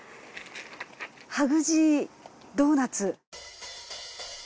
ハグジードーナツ。